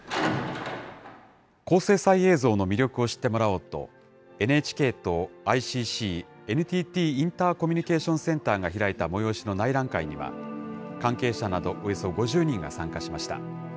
高精細映像の魅力を知ってもらおうと、ＮＨＫとＩＣＣ・ＮＴＴインターコミュニケーション・センターが開いた催しの内覧会には、関係者などおよそ５０人が参加しました。